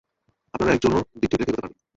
আপনারা একজনও দিক ঠিক রেখে এগুতে পারবেন না।